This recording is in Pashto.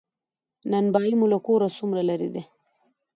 نان بایی مو له کوره څومره لری ده؟